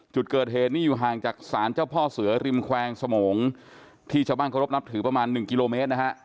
จุดเกิดเหตุนี้อยู่ห่างจากศาลเจ้าพ่อเสือริมแควร์สมงที่ชาวบ้านเคารพนับถือประมาณ๑กิโลเมตรนะฮะ